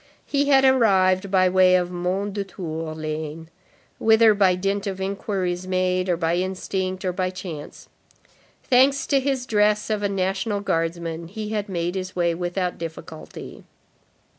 He had arrived by way of Mondétour lane, whither by dint of inquiries made, or by instinct, or chance. Thanks to his dress of a National Guardsman, he had made his way without difficulty.